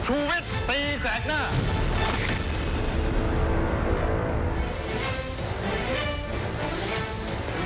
ชูวิตตีแสกหน้า